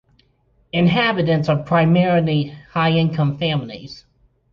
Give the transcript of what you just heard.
Inhabitants are primarily high income families.